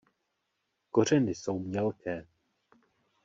Kořeny jsou mělké.